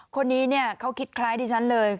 คนนี้เนี่ยเขาคิดคล้ายที่ฉันเลย